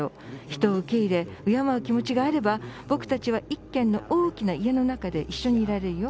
人を受け入れ敬う気持ちがあれば僕たちは大きな１軒の家に中に一緒にいられるよ。